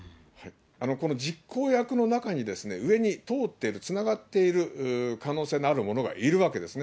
この実行役の中に、上に通っている、つながっている可能性のあるものがいるわけですね。